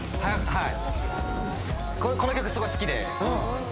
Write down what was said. はい。